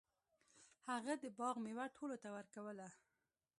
هغه د باغ میوه ټولو ته ورکوله.